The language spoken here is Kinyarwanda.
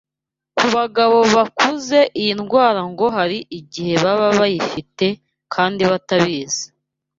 Ku bagabo bakuze iyi ndwara ngo hari igihe baba bayifite kandi batabizi